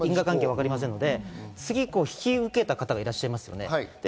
まだ因果関係が分かりませんので次、引き受けた方がいらっしゃいますね。